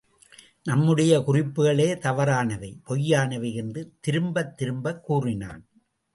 நம்முடைய குறிப்புக்களே தவறானவை, பொய்யானவை என்று திரும்பத் திரும்பக் கூறினான்.